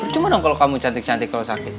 berjumah dong kalo kamu cantik cantik kalo sakit